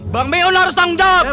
bang beyond harus tanggung jawab